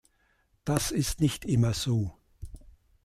Das ist nicht immer so.